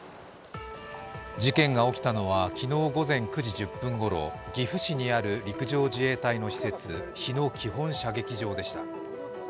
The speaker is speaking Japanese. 事件が起きたのは昨日午前９時１０分ごろ、岐阜市にある陸上自衛隊の施設日野基本射撃場でした。